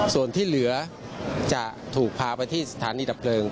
ส่วนที่เหลือจะถูกพาไปที่สถานีดับเพลิง